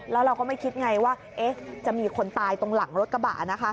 แล้วเราก็ไม่คิดไงว่าจะมีคนตายตรงหลังรถกระบะนะคะ